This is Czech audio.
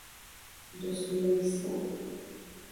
Dospěli jsme?